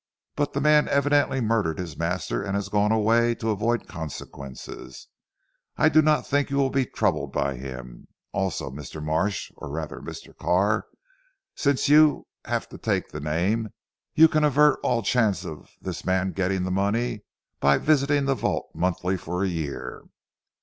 But the man evidently murdered his master, and has gone away to avoid consequences, I do not think you will be troubled by him. Also Mr. Marsh or rather Mr. Carr since you have to take the name you can avert all chance of this man getting the money by visiting the vault monthly for a year."